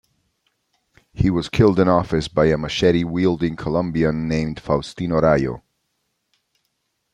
He was killed in office by a machete-wielding Colombian named Faustino Rayo.